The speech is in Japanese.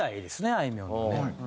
あいみょんのね。